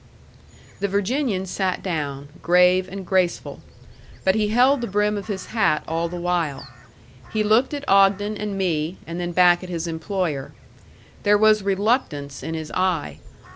The Virginian sat down, grave and graceful. But he held the brim of his hat all the while. He looked at Ogden and me, and then back at his employer. There was reluctance in his eye.